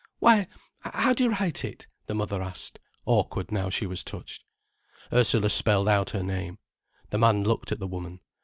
"Why, how do you write it?" the mother asked, awkward now she was touched. Ursula spelled out her name. The man looked at the woman.